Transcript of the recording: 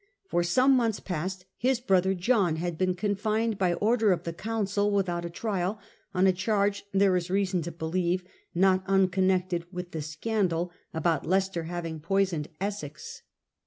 For some months past his brother John had been confined by order of the Council without a trial, on a charge, there is reason to believe, not unconnected with the scandal about Leicester having poisoned Essex.